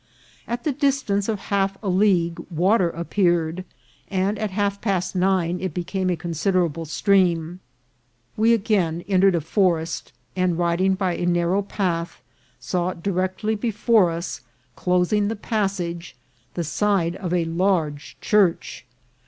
At the distance of half a league water appeared, and at half past nine it became a con siderable stream. We again entered a forest, and ri ding by a narrow path, saw directly before us, closing the passage, the side of a large church.